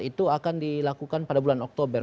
itu akan dilakukan pada bulan oktober